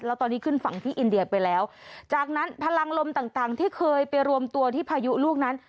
แล้วตอนนี้ขึ้นฝั่งที่อินเดียไปแล้วจากนั้นพลังลมต่างต่างที่เคยไปรวมตัวที่พายุลูกนั้น